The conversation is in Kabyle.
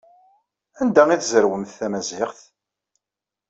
Anda ay tzerwemt tamaziɣt?